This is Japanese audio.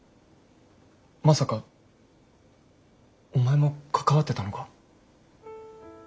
まさかお前も関わってたのか？